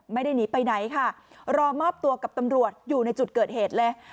ไม่ได้หนีไปไหนค่ะรอมอบตัวกับตำรวจอยู่ในจุดเกิดเหตุเลย